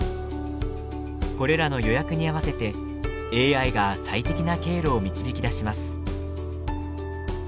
これらの予約に合わせてＡＩが最適な経路を導き出します。